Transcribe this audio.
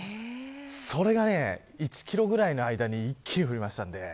それが１キロぐらいの間に一気に降りましたので。